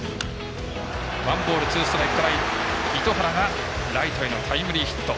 ワンボール、ツーストライクから糸原がライトへのタイムリーヒット。